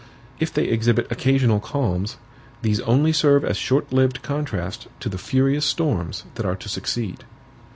If they exhibit occasional calms, these only serve as short lived contrast to the furious storms that are to succeed.